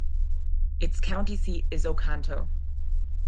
Its county seat is Oconto.